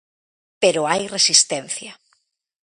Pero hai resistencia.